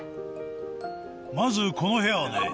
まずこの部屋はね